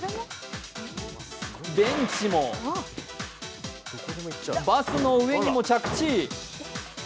ベンチもバスの上にも着地。